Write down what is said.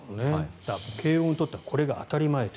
慶応にとってはこれが当たり前と。